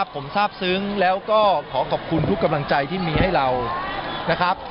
ผมทราบซึ้งแล้วก็ขอขอบคุณทุกกำลังใจที่มีให้เรานะครับ